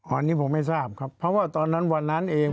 อันนี้ผมไม่ทราบครับเพราะว่าตอนนั้นวันนั้นเอง